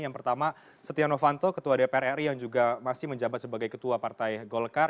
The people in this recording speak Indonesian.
yang pertama setia novanto ketua dpr ri yang juga masih menjabat sebagai ketua partai golkar